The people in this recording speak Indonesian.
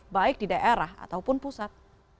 baik di daerah ataupun pusat